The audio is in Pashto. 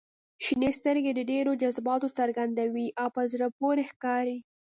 • شنې سترګې د ډېر جذباتو څرګندوي او په زړه پورې ښکاري.